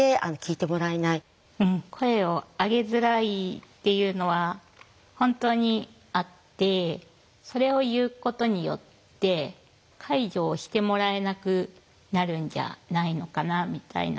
声を上げづらいっていうのは本当にあってそれを言うことによって介助をしてもらえなくなるんじゃないのかなみたいな。